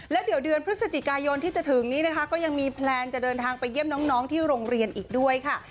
แล้วเดี๋ยวเดือนพฤศจิกายนที่จะถึงนี้นะคะก็ยังมีแพลนจะเดินทางไปเยี่ยมน้องที่โรงเรียนอีกด้วยค่ะ